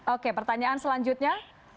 oke pertanyaan selanjutnya